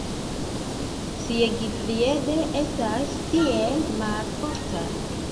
Siegfried estas tiel malforta.